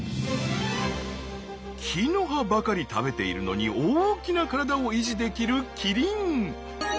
木の葉ばかり食べているのに大きな体を維持できるキリン。